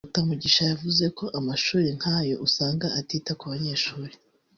Dr Mugisha yavuze ko amashuri nk’ayo usanga atita ku banyeshuri